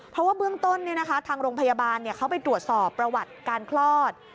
เพราะว่าเบื้องต้นทางโรงพยาบาลเขาไปตรวจสอบประวัติการคลอด